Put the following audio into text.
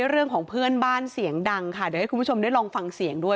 เรื่องของเพื่อนบ้านเสียงดังค่ะเดี๋ยวให้คุณผู้ชมได้ลองฟังเสียงด้วย